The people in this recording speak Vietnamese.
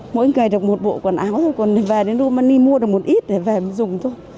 mỗi ngày được một bộ quần áo rồi còn về đến rumani mua được một ít để về dùng thôi